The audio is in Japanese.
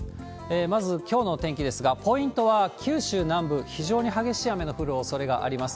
まず、きょうのお天気ですが、ポイントは九州南部、非常に激しい雨の降るおそれがあります。